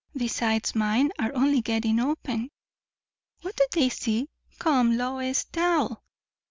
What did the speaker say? Besides, mine are only getting open." "What do they see? Come, Lois, tell."